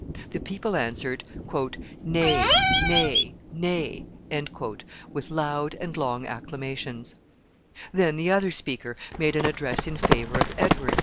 The people answered "NAY, NAY, NAY," with loud and long acclamations. Then the other speaker made an address in favor of Edward.